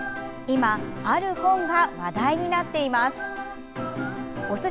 今、ある本が話題になっています。